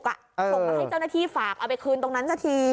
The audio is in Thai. ส่งมาให้เจ้าหน้าที่ฝากเอาไปคืนตรงนั้นสักที